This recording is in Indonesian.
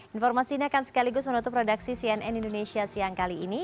informasi ini akan sekaligus menutup produksi cnn indonesia siang kali ini